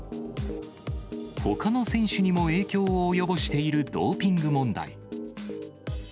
ほかの選手にも影響を及ぼしているドーピング問題。